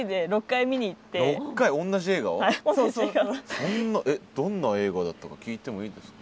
そんなえっどんな映画だったか聞いてもいいですか？